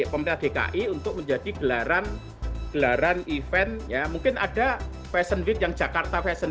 pemerintah dki untuk menjadi gelaran gelaran event ya mungkin ada fashion week yang jakarta fashion